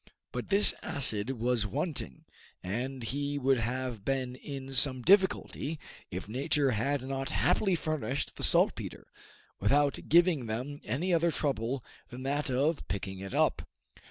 But this acid was wanting, and he would have been in some difficulty, if nature had not happily furnished the saltpeter, without giving them any other trouble than that of picking it up.